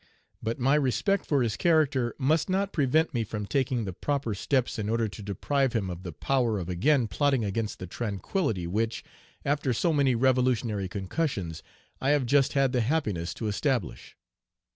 But my respect for his character must not prevent me from taking the proper steps in order to deprive him of the power of again plotting against the tranquillity which, after so many revolutionary concussions, I have just had the happiness to establish.